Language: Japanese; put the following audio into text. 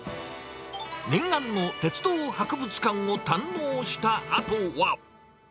念願の鉄道博物館を堪能したあとは。